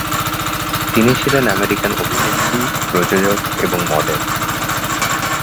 তিনি ছিলেন আমেরিকান অভিনেত্রী, প্রযোজক এবং মডেল।